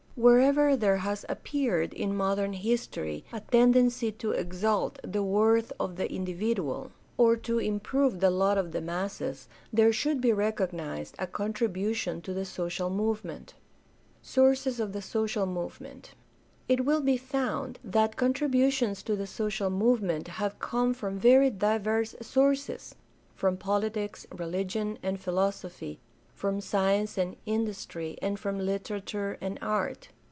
Wherever there has appeared in modern history a tendency to exalt the worth of the individual or to 468 GUIDE TO STUDY OF CHRISTIAN RELIGION improve the lot of the masses there should be recognized a contribution to the social movement. Sources of the social movement. — It will be found that contributions to the social movement have come from very diverse sources — from politics, religion, and philosophy, from science and industry, and from literature and art.